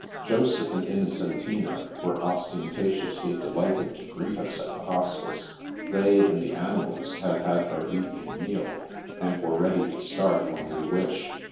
Joseph and Innocentina were ostentatiously de lighted to greet us at the Hospice. They and the ani mals had had their evening meal, and were t eady to start when we wished.